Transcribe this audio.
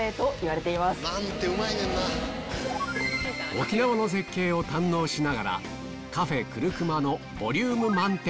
沖縄の絶景を堪能しながらカフェくるくまのボリューム満点